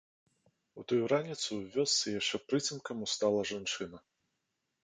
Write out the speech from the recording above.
У тую раніцу ў вёсцы яшчэ прыцемкам устала жанчына.